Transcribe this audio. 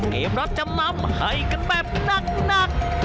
เกมรับจำนำให้กันแบบหนัก